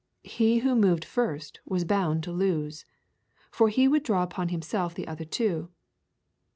He who moved first was bound to lose. For he would draw upon himself the other two.